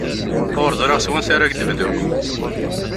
Ur ẓriɣ s wansa ara ak-d-bduɣ.